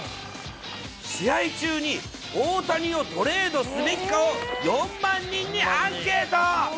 試合中に大谷をトレードすべきかを、４万人にアンケート。